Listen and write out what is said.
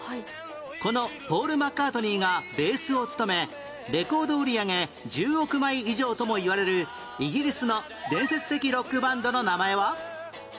このポール・マッカートニーがベースを務めレコード売り上げ１０億枚以上ともいわれるイギリスの伝説的ロックバンドの名前は？